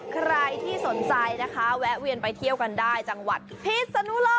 ใครที่สนใจนะคะแวะเวียนไปเที่ยวกันได้จังหวัดพิษนุโลก